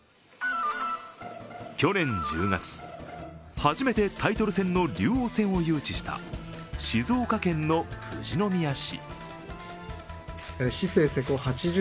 去年１０月、初めてタイトル戦の竜王戦を誘致した静岡県の富士宮市。